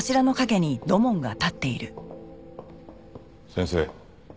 先生